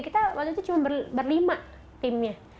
kita waktu itu cuma berlima timnya